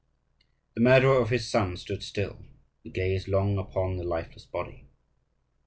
The murderer of his son stood still, and gazed long upon the lifeless body.